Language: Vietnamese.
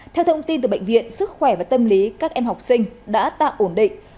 theo thông tin từ bệnh viện sức khỏe và tâm lý các em học sinh đã tạm ổn định